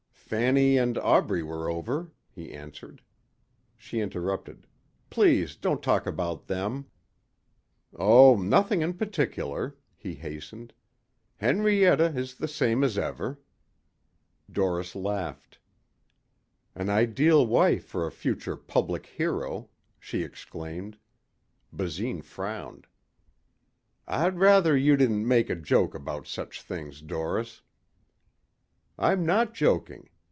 "Fanny and Aubrey were over," he answered. She interrupted. "Please don't talk about them." "Oh, nothing in particular," he hastened. "Henrietta is the same as ever." Doris laughed. "An ideal wife for a future public hero," she exclaimed. Basine frowned. "I'd rather you didn't make a joke about such things, Doris." "I'm not joking.